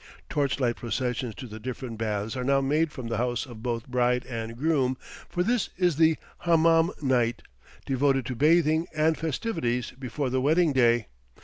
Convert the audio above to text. Torchlight processions to the different baths are now made from the house of both bride and groom, for this is the "hammam night," devoted to bathing and festivities before the wedding day.